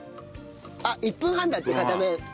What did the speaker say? あっ１分半だって片面。